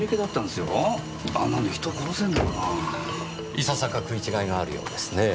いささか食い違いがあるようですねぇ。